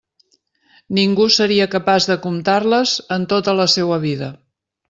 Ningú seria capaç de comptar-les en tota la seua vida.